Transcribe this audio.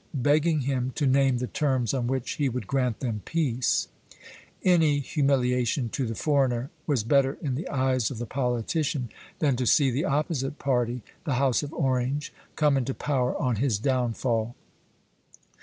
begging him to name the terms on which he would grant them peace; any humiliation to the foreigner was better in the eyes of the politician than to see the opposite party, the House of Orange, come into power on his downfall.